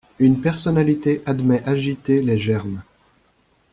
Une personnalité admet agiter les germes.